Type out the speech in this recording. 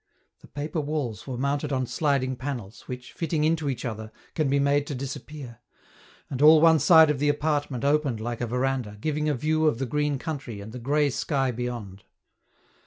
The paper walls were mounted on sliding panels, which, fitting into each other, can be made to disappear and all one side of the apartment opened like a veranda, giving a view of the green country and the gray sky beyond.